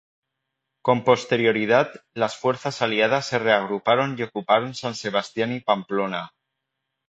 Con posterioridad, las fuerzas aliadas se reagruparon y ocuparon San Sebastián y Pamplona.